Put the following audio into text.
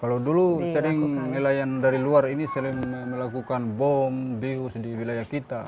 kalau dulu sering nelayan dari luar ini sering melakukan bom bius di wilayah kita